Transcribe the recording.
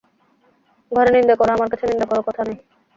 ঘরে নিন্দে করো, আমার কাছে নিন্দে করো, কথা নেই।